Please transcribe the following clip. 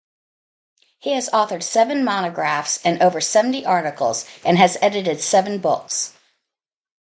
He has authored seven monographs and over seventy articles and has edited seven books.